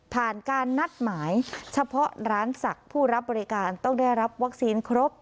ผ่านการนัดหมายเฉพาะร้านศักดิ์ผู้รับบริการต้องได้รับวัคซีนครบ